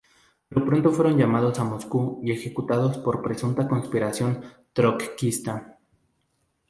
Pero pronto fueron llamados a Moscú y ejecutados por presunta conspiración trotskista.